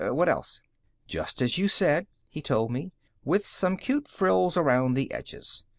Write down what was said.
What else?" "Just as you said," he told me. "With some cute frills around the edges.